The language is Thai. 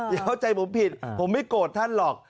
เข้าใจผมผิดผมไม่โกรธท่านหรอก